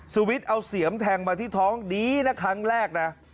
วิทย์เอาเสียมแทงมาที่ท้องดีนะครั้งแรกนะ